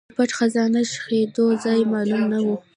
د پټ خزانه ښخېدو ځای معلوم نه و.